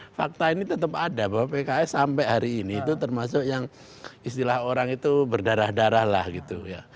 tapi fakta ini tetap ada bahwa pks sampai hari ini itu termasuk yang istilah orang itu berdarah darah lah gitu ya